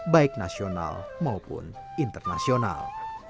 baik nasional maupun internasional